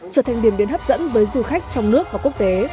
trở thành điểm biến hấp dẫn với du khách trong nước và quốc tế